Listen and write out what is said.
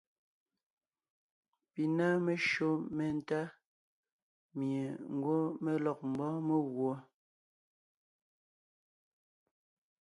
Pi ná meshÿó méntá mie ngwɔ́ mé lɔg ḿbɔ́ɔn meguɔ.